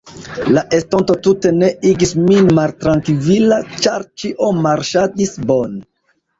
La estonto tute ne igis min maltrankvila, ĉar ĉio marŝadis bone.